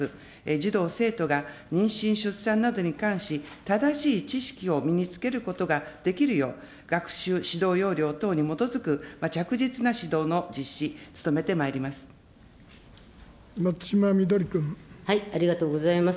児童・生徒が妊娠・出産などに関し、正しい知識を身につけることができるよう、学習指導要領等に基づく着実な指導の実施、務めてまいります。